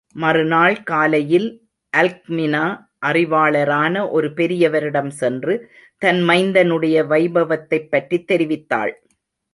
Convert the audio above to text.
மறுநாள் காலையில் அல்க்மினா, அறிவாளரான ஒரு பெரியவரிடம் சென்று, தன் மைந்தனுடைய வைபவத்தைப்பற்றித் தெரிவித்தாள்.